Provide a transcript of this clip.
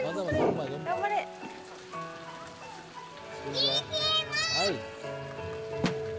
いきます。